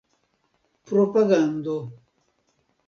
propagando